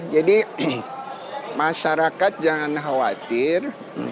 jadi masyarakat jangan khawatir